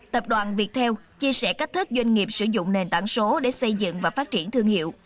tập đoàn viettel chia sẻ cách thức doanh nghiệp sử dụng nền tảng số để xây dựng và phát triển thương hiệu